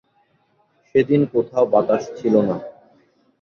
সেদিন কোথাও বাতাস ছিল না।